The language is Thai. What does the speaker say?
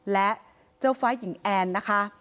และเจ้าฟ้าหญิงแอนนะคะ